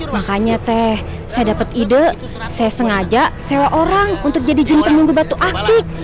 makanya te saya dapet ide saya sengaja sewa orang untuk jadi jin pemunggu batu akik